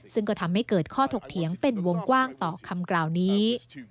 ซึ่งก็ทำให้เกิดข้อถกเถียงเป็นวงกว้างต่อคำกล่าวนี้